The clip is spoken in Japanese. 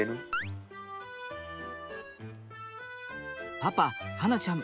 パパ巴梛ちゃん